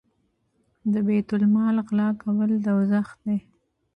د بیت المال غلا کول دوزخ دی.